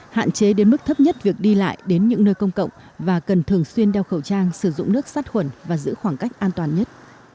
hạn chế đến mức thấp nhất việc đi lại đến những nơi công cộng và cần thường xuyên đeo khẩu trang sử dụng nước sát khuẩn và giữ khoảng cách an toàn nhất